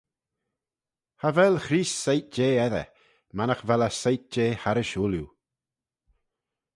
Cha vel Chreest soit jeh edyr, mannagh vel eh soit jeh harrish ooilley.